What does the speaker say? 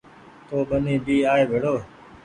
تو ٻني بي آئي ڀيڙو ڇي